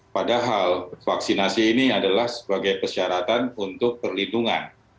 padahal vaksinasi ini adalah sebagai persyaratan untuk perlindungan